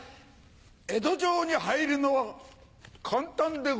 江戸城に入るのは簡単でござる。